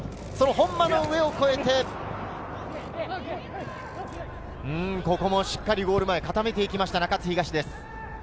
本間の上を越えて、ここもしっかりゴール前を固めていきました中津東です。